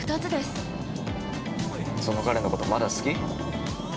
その彼のこと、まだ好き？